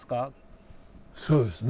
そうですね。